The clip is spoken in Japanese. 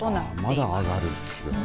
まだ上がる予想ですか。